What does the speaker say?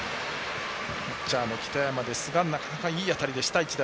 ピッチャーの北山ですが１打席目なかなかいい当たりでした。